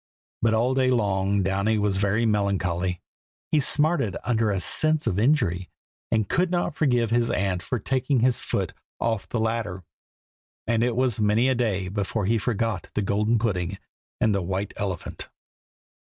But all day long Downy was very melancholy. He smarted under a sense of injury, and could not forgive his aunt for taking his foot off the ladder; and it was many a day before he forgot the golden pudding and the white elephant.